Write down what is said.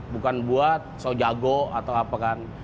bukan buat so jago atau apa kan